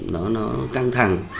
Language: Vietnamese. nó căng thẳng